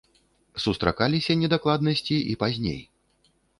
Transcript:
Сустракаліся недакладнасці і пазней.